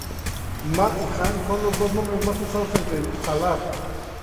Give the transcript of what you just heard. Ma y Han son los dos nombres más usados entre el salar.